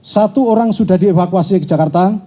satu orang sudah dievakuasi ke jakarta